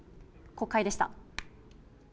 国会でした。